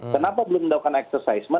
kenapa belum dilakukan exercise